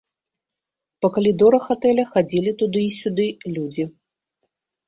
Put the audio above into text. Па калідорах атэля хадзілі туды і сюды людзі.